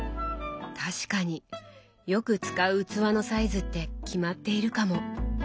確かによく使う器のサイズって決まっているかも。